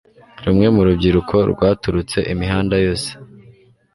rumwe mu rubyiruko rwaturutse imihanda yose